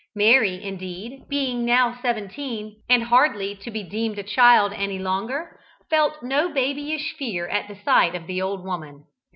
Mary, indeed, being now seventeen, and hardly to be deemed a child any longer, felt no babyish fear at the sight of the old women.